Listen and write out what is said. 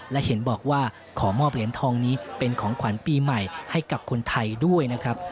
และเห็นบอกว่าขอมอบเหรียญทองนี้เป็นของขวัญปีใหม่ให้กับคนไทยด้วยนะครับ